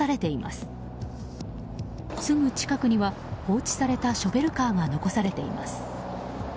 すぐ近くには放置されたショベルカーが残されています。